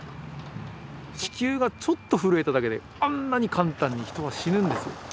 地球がちょっと震えただけであんなに簡単に人は死ぬんです。